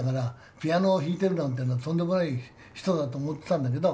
ピアノを弾いてるなんてとんでもない人だと思ってたんだけど。